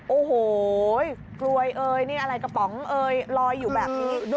โอ้โหกลวยเอ่ยนี่อะไรกระป๋องเอยลอยอยู่แบบนี้